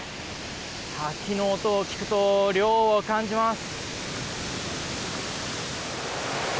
滝の音を聞くと涼を感じます。